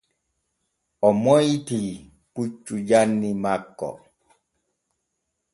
O moytii puccu janni makko.